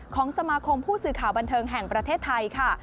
ของสมาคมผู้สื่อข่าวบันเทิงแห่งประเทศไทยค่ะ